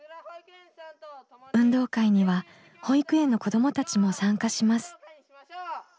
運動会には保育園の子どもたちも参加します。